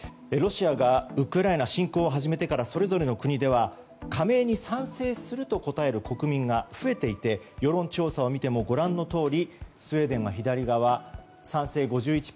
ロシアがウクライナ侵攻を始めてからそれぞれの国では加盟に賛成すると答える国民が増えていて世論調査を見てもご覧のとおりスウェーデンは左、賛成５１％